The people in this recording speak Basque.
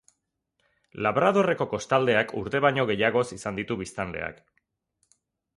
Labradorreko kostaldea urte baino gehiagoz izan ditu biztanleak.